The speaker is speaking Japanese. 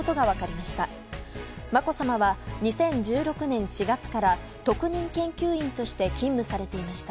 まこさまは２０１６年４月から特任研究員として勤務されていました。